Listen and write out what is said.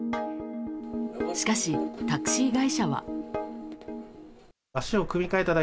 しかし、タクシー会社は。